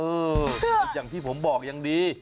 อย่างที่ผมบอกยังดี